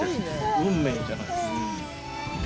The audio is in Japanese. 運命じゃないですか。